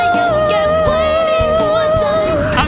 ของเธอยังเก็บไว้ในหัวใจ